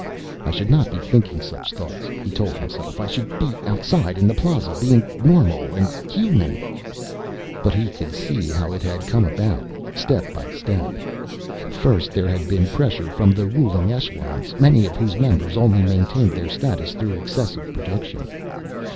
I should not be thinking such thoughts, he told himself, I should be outside in the Plaza, being normal and human. But he could see how it had come about, step by step. First there had been pressure from the ruling echelons, many of whose members only maintained their status through excessive production.